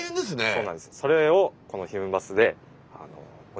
そうなんです。